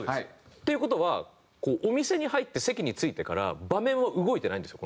っていう事はお店に入って席に着いてから場面は動いてないんですよ